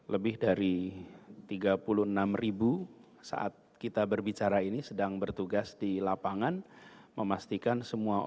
lebih dari tiga puluh enam ribu saat kita berbicara ini sedang bertugas di lapangan memastikan semua orang